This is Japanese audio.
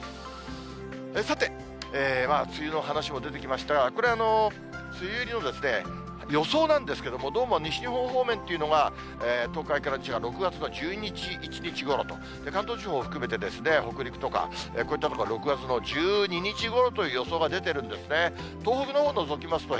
さて、梅雨の話も出てきましたが、これ、梅雨入りの予想なんですけれども、どうも西日本方面というのが、東海からが６月１１日ごろと、関東地方を含めて、北陸とか、こういった所は６月の１２日ごろという予想が出てるんですね。